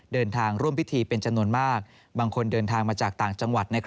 เดินทางร่วมพิธีเป็นจำนวนมากบางคนเดินทางมาจากต่างจังหวัด